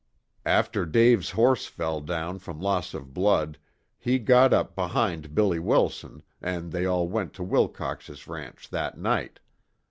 After Dave's horse fell down from loss of blood, he got up behind Billy Wilson, and they all went to Wilcox's ranch that night.